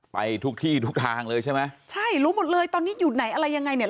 ไปทุกที่ทุกทางเลยใช่ไหมใช่รู้หมดเลยตอนนี้อยู่ไหนอะไรยังไงเนี่ย